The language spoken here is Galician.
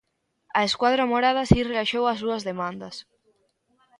A escuadra morada si relaxou as súas demandas.